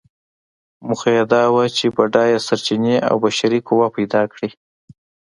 موخه یې دا وه چې بډایه سرچینې او بشري قوه پیدا کړي.